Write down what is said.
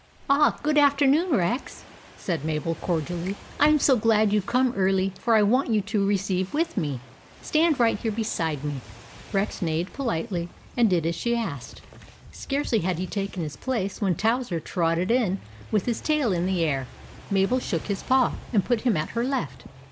" Ah, good afternoon, Rex," said Mabel, cordially. " I 'm so glad you Ve come early, for I want you to receive with me. Stand right here beside me." Rex neighed politely, and did as she asked. Scarcely had he taken his place, when Towser trotted in, with his tail in the air. Mabel shook his paw, and put him at her left.